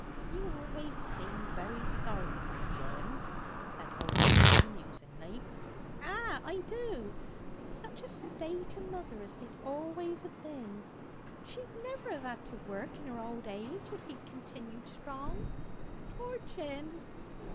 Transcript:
"You always seem very sorry for Jim," said old William musingly. "Ah! I do. Such a stay to mother as he'd always ha' been! She'd never have had to work in her old age if he had continued strong, poor Jim!"